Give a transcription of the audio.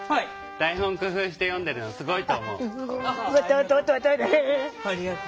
台本工夫して読んでるのすごいと思う。